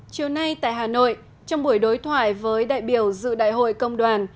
chiều nay tại hà nội trong buổi đối thoại với đại biểu dự đại hội công đoàn